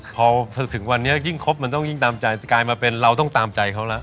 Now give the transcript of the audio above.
พอถึงวันนี้ยิ่งครบมันต้องยิ่งตามใจกลายมาเป็นเราต้องตามใจเขาแล้ว